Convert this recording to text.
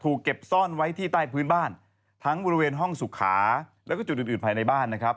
เก็บซ่อนไว้ที่ใต้พื้นบ้านทั้งบริเวณห้องสุขาแล้วก็จุดอื่นอื่นภายในบ้านนะครับ